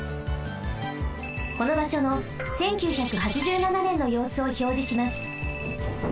このばしょの１９８７ねんのようすをひょうじします。